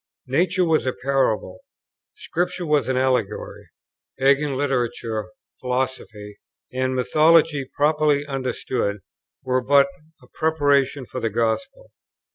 Nature was a parable: Scripture was an allegory: pagan literature, philosophy, and mythology, properly understood, were but a preparation for the Gospel.